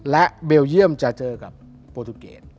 และเบลเยี่ยมจะเจอกับโปรตูเกต